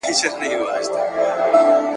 ونه یم د پاڼ پر سر کږه یمه نړېږمه ,